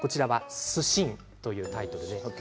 「すしん」というタイトルです。